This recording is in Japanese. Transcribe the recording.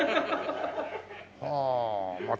ああまあ